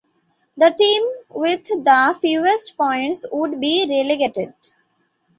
The team with the fewest points would be relegated.